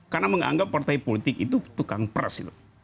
karena menganggap partai politik itu tukang pers